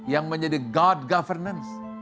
yang menjadi god governance